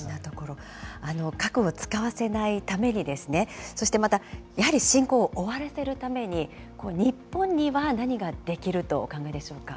核を使わせないために、そしてまた、やはり侵攻を終わらせるために、日本には何ができるとお考えでしょうか。